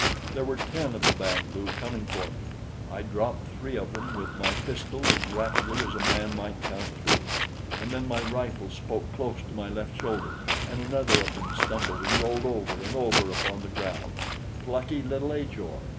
There were ten of the Band lu coming for me. I dropped three of them with my pistol as rapidly as a man might count by three, and then my rifle spoke close to my left shoulder, and another of them stumbled and rolled over and over upon the ground. Plucky little Ajor!